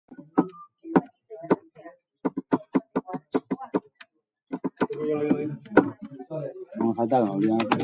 Azken esplorazio horretan hil zen.